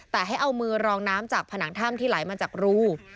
แต่ให้เอามือรองน้ำจากผนังถ้ำที่ไหลมาจากรู